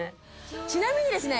ちなみにですね